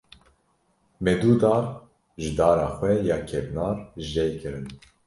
Me du dar ji dara xwe ya kevnar jê kirin.